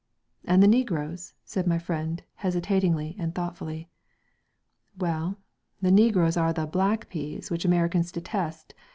"And the negroes?" said my friend hesitatingly and thoughtfully. "Well, the negroes are 'the black peas' which Americans detest.